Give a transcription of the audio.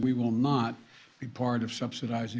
dan kami tidak akan menjadi bagian